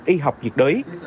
y học nhiệt đới